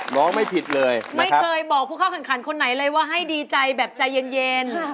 ไม่ผิดเลยไม่เคยบอกผู้เข้าแข่งขันคนไหนเลยว่าให้ดีใจแบบใจเย็น